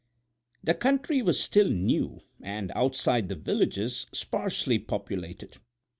The country was still new and, outside the villages, sparsely populated.